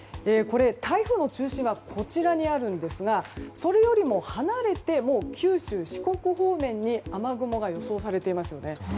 台風の中心はこちらにあるんですがそれよりも離れて九州、四国方面に雨雲が予想されていますね。